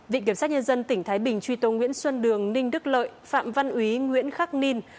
viện kiểm sát nhân dân tỉnh thái bình truy tố nguyễn xuân đường ninh đức lợi phạm văn úy nguyễn khắc ninh